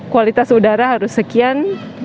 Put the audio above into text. kualitas udara harus sekian